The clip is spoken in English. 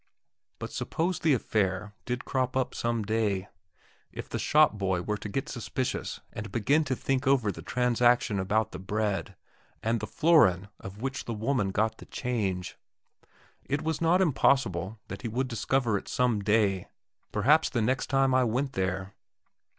But suppose the affair did crop up some day? If the shop boy were to get suspicious and begin to think over the transaction about the bread, and the florin of which the woman got the change? It was not impossible that he would discover it some day, perhaps the next time I went there.